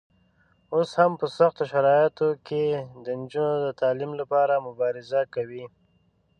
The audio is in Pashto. اوس هم په سختو شرایطو کې د نجونو د تعلیم لپاره مبارزه کوي.